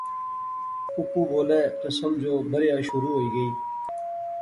کُکو بولے تے سمجھو بریا شروع ہوئی غَئی